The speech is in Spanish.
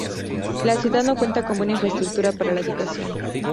La ciudad no cuenta con buena infraestructura para la educación.